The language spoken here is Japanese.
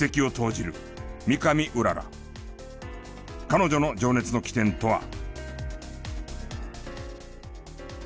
彼女の情熱の起点とは？